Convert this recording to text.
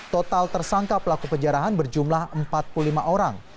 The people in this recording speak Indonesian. total tersangka pelaku penjarahan berjumlah empat puluh lima orang